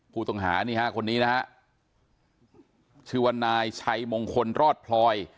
ผู้ต้องหานี่ฮะคนนี้นะฮะชื่อว่านายชัยมงคลรอดพลอย